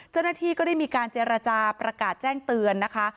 เจ้าหน้าที่ก็ได้มีการเจรจาประกาศแจ้งเตือนนะคะ